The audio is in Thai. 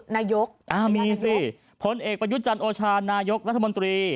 นายกมีสิผลเอกประยุจันทร์โอชานายกรัฐมนตรี